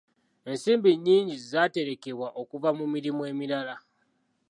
Ensimbi nnyingi zaaterekebwa okuva mu mirimu emirala.